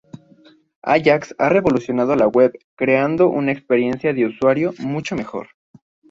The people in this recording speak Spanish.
Ajax ha revolucionado la web creando una experiencia de usuario mucho mejor.